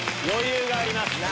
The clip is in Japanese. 余裕があります。